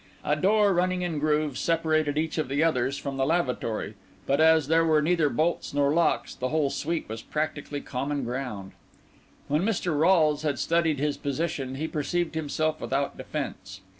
A door running in grooves separated each of the others from the lavatory; but as there were neither bolts nor locks, the whole suite was practically common ground. When Mr. Rolles had studied his position, he perceived himself without defence.